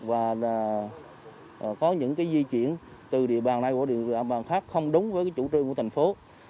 và có những di chuyển từ địa bàn này của an bàn khác không đúng với chủ trương của thành phố